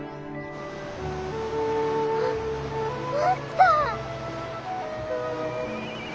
あっおった！